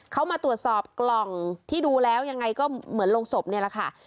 เขามาตรวจสอบกล่องที่ดูแล้วยังไงก็เหมือนโรงศพนี่แหละค่ะ